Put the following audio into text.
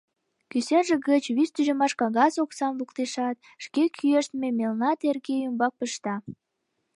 Кӱсенже гыч вич тӱжемаш кагаз оксам луктешат, шке кӱэштме мелна терке ӱмбак пышта.